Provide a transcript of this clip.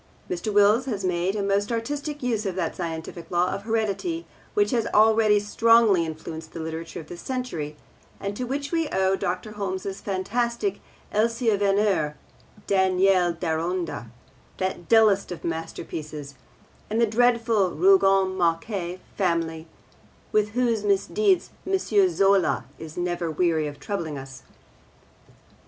Mr. Wills has made a most artistic use of that scientific law of heredity which has already strongly influenced the literature of this century, and to which we owe Dr. Holmes's fantastic Elsie Venner, Daniel Deronda that dullest of masterpieces and the dreadful Rougon Macquart family with whose misdeeds M. Zola is never weary of troubling us.